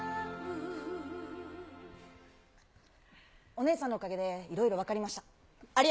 お姉さんのおかげで、いろいろ分かりました。